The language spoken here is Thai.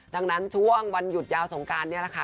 ดังนั้นช่วงวันหยุดยาวสงการนี่แหละค่ะ